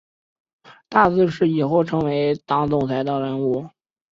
大字是以后成为党总裁的人物